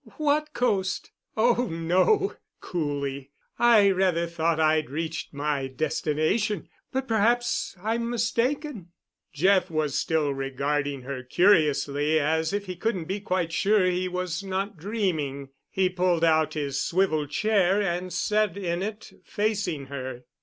"What coast? Oh, no," coolly; "I rather thought I'd reached my destination, but perhaps I'm mistaken." Jeff was still regarding her curiously, as if he couldn't be quite sure he was not dreaming. He pulled out his swivel chair and sat in it, facing her.